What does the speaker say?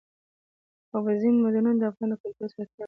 اوبزین معدنونه د افغان کلتور سره تړاو لري.